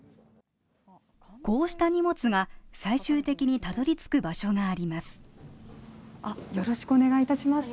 こうした荷物が、最終的にたどり着く場所があります。